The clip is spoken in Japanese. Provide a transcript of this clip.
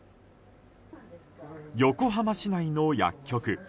横浜市内の薬局。